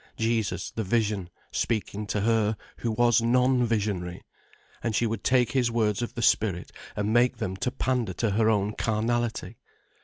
Jesus, the vision, speaking to her, who was non visionary! And she would take his words of the spirit and make them to pander to her own carnality.